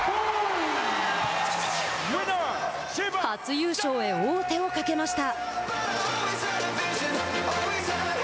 初優勝へ王手をかけました。